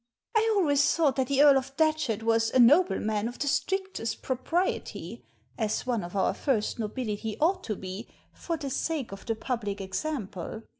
" I always thought that the Earl of Datchet was a nobleman of the strictest propriety — as one of our first nobility ought to be, for the sake of the public example.